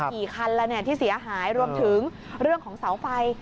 กี่คันละที่เสียหายรวมถึงเรื่องของเสาไฟ